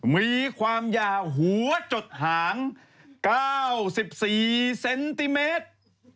มีความยาวหัวจดหาง๙๔เซนติเมตร